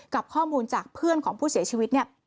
กับข้อมูลจากเพื่อนของผู้เสียชีวิตเนี่ย